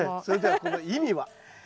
それではこの意味は？